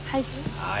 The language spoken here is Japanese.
はい。